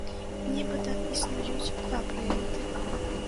Нібыта, існуюць два праекты.